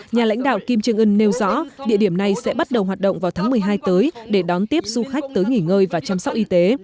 nhà lãnh đạo kim trương ưn nêu rõ địa điểm này sẽ bắt đầu hoạt động vào tháng một mươi hai tới để đón tiếp du khách tới nghỉ ngơi và chăm sóc y tế